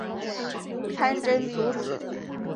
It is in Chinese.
潘珍族子。